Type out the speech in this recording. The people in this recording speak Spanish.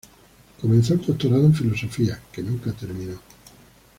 Comenzó el doctorado en Filosofía, que nunca terminó.